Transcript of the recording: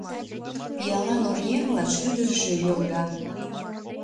Пиалан оръеҥла шӱдыржӧ йолга.